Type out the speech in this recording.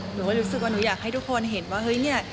รู้สึกว่าหนูอยากให้ทุกคนเห็นว่าเฮ้ยเนี่ย